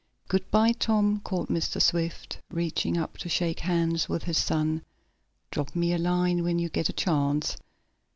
"Good by, Tom," called Mr. Swift, reaching up to shake hands with his son. "Drop me a line when you get a chance."